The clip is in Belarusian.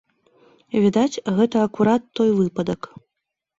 Відаць, гэта акурат той выпадак.